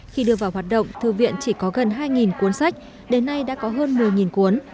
khi đưa vào hoạt động thư viện chỉ có gần hai cuốn sách đến nay đã có hơn một mươi cuốn